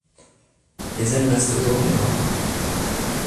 Les ailes restent jaune et noir.